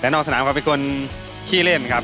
แต่นอกสนามเขาเป็นคนขี้เล่นครับ